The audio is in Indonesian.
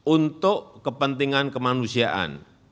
untuk kepentingan kemanusiaan